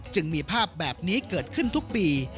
จึงมีภาพแบบนี้เกิดขึ้นทุกปี